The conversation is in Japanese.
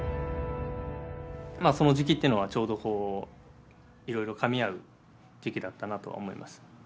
その時期っていうのはちょうどいろいろかみ合う時期だったなとは思います。